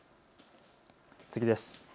次です。